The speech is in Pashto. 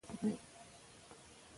د مور تجربه د ماشوم روغتيا پياوړې کوي.